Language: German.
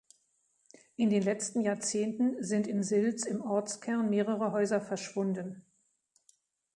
In den letzten Jahrzehnten sind in Silz im Ortskern mehrere Häuser verschwunden.